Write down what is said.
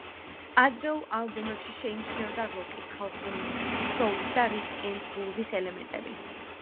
ადრეულ ალბომებში შეიმჩნეოდა როკის, ხალხური მუსიკის, სოულის და რიტმ-ენდ-ბლუზის ელემენტები.